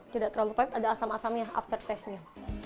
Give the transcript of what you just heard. tidak terlalu pahit ada asam asamnya after taste nya